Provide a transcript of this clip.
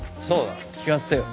聴かせてよ。